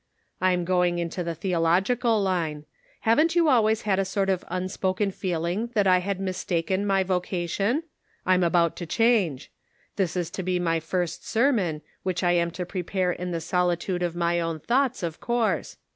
" I'm going into the theological line. Haven't you always had a sort of unspoken feeling that I had mistaken my vocation ? I'm about to change. This is to be my first sermon, which I am to prepare in the solitude of my own thoughts, 128 The Pocket Measure. of course.